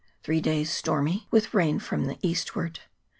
Two days stormy, with rain from the east ward.